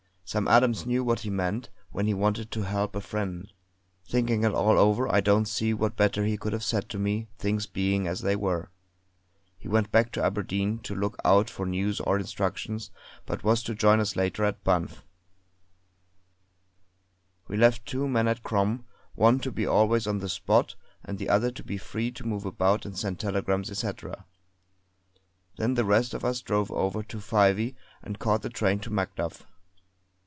Sam Adams knew what he meant, when he wanted to help a friend; thinking it all over I don't see what better he could have said to me things being as they were. He went back to Aberdeen to look out for news or instructions, but was to join us later at Banff. We left two men at Crom; one to be always on the spot, and the other to be free to move about and send telegrams, etc. Then the rest of us drove over to Fyvie and caught the train to Macduff.